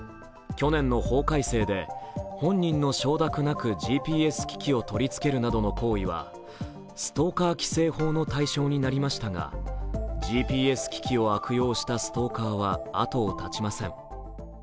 去年の法改正で本人の承諾なくＧＰＳ機器を取り付けるなどの行為はストーカー規制法の対象になりましたが、ＧＰＳ機器を悪用したストーカーは後を絶ちません。